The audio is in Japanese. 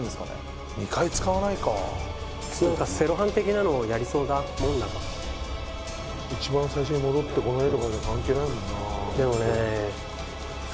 そっかセロハン的なのをやりそうなもんだな一番最初に戻ってこの絵とかも関係ないもんなでもね